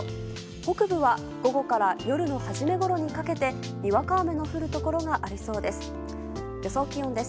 北部は、午後から夜の初めごろにかけてにわか雨の降るところがありそうです。